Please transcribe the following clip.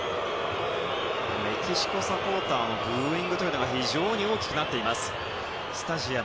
メキシコサポーターのブーイングというのが非常に大きくなっています。